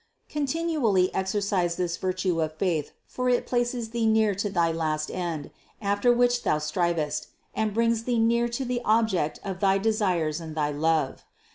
Continually exercise this virtue of faith, for it places thee near to thy last end, after which thou strivest, and brings thee near to the object of thy de sires and thy love.